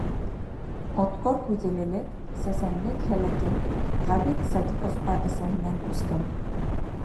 Отҡор һүҙлелек, сәсәнлек һәләте Ғәбит Садиҡовҡа әсәһенән күскән.